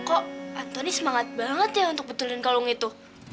kok antoni semangat banget ya untuk betulin kalung itu